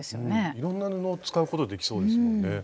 いろんな布を使うことできそうですもんね。